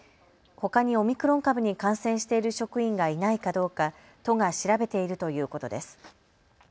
ほかにオミクロン株に感染している職員がいないかどうか、都が調べているということです。